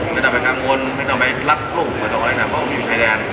ไม่ได้ไปทังงงนไม่ได้ไปรับลูก